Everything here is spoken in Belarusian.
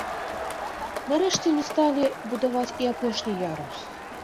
Нарэшце, не сталі будаваць і апошні ярус.